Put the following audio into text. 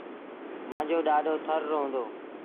مآݩجو ڏآڏو ٿر رو هُݩدو۔